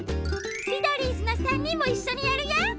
ミドリーズの３にんもいっしょにやるよ！